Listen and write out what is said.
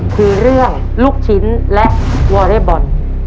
คือเรื่องลูกชิ้นและวอเรย์บอล